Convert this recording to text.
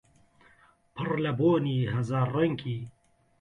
پڕ لە بۆنی هەزار ڕەنگی